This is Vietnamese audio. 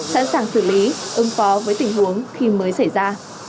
sẵn sàng xử lý ứng phó với tình huống khi mới xảy ra